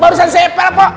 barusan saya depel pak